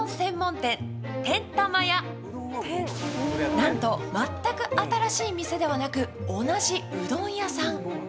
なんと全く新しい店ではなく同じうどん屋さん。